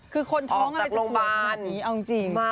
คือคนท้องอาจจะสวยขนาดนี้ออกจากโรงพยาบาล